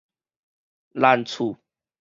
難處